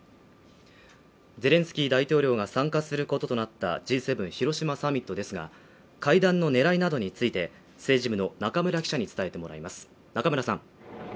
ゼレンスキー大統領が参加することとなったＧ７広島サミットですが、会談の狙いなどについて、政治部の中村記者に伝えてもらいます。